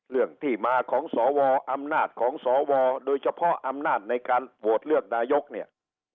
เรื่องที่มาของสวอำนาจของสวโดยเฉพาะอำนาจในการโหวตเลือกนายกเนี่ย